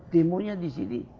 demonya di sini